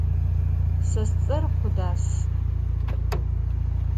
Se sts'er Khudas.